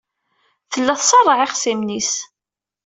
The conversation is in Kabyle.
Tella tṣerreɛ ixṣimen-nnes.